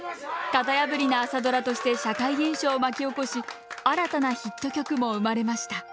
型破りな朝ドラとして社会現象を巻き起こし新たなヒット曲も生まれました。